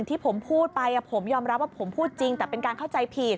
ที่ผมพูดไปผมยอมรับว่าผมพูดจริงแต่เป็นการเข้าใจผิด